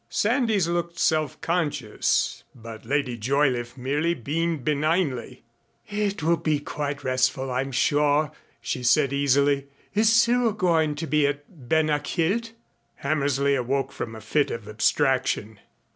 Sandys looked self conscious, but Lady Joyliffe merely beamed benignly. "It will really be quite restful, I'm sure," she said easily. "Is Cyril going to be at Ben a Chielt?" Hammersley awoke from a fit of abstraction.